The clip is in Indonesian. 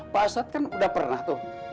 pak ustadz kan udah pernah tuh